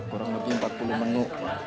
kurang lebih empat puluh menu